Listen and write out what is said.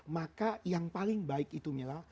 maka yang paling baik itu mila